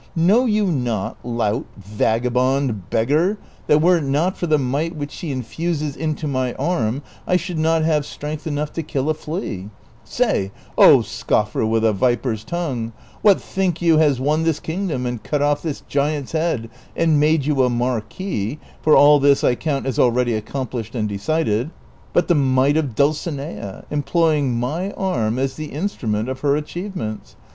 Know you not, lout, vagabond, beggar, that were it not for the might which she infuses into my arm I should not have strength enough to kill a flea ? Say, O scoffer with a viper's tongue, \\liat think you has won this kingdom and cut oft' this giant's head and made you a marquis (for all this I count as already accomplished and decided), but the might of Dulcinea, employ ing my arm as the instrument of her achievements